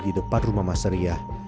di depan rumah mas riah